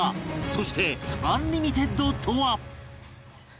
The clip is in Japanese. そしてアンリミテッドとは？